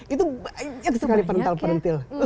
itu banyak sekali perintil perintil